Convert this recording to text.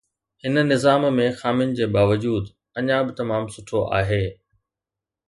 هن نظام ۾ خامين جي باوجود، اڃا به تمام سٺو آهي.